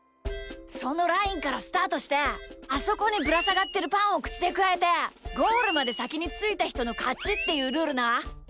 そのラインからスタートしてあそこにぶらさがってるパンをくちでくわえてゴールまでさきについたひとのかちっていうルールな！